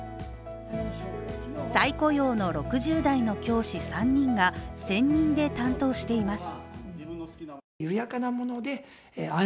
再雇用の６０代の教師３人が専任で担当しています。